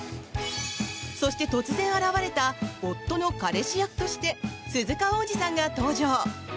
そして、突然現れた夫の彼氏役として鈴鹿央士さんが登場。